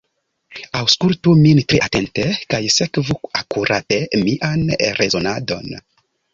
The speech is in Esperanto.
Aŭskultu min tre atente, kaj sekvu akurate mian rezonadon.